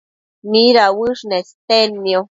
midauësh nestednio?